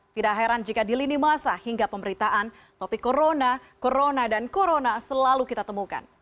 tidak heran jika di lini masa hingga pemberitaan topik corona corona dan corona selalu kita temukan